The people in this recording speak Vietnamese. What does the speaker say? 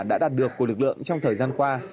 đã đạt được của lực lượng trong thời gian qua